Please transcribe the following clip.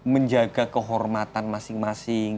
menjaga kehormatan masing masing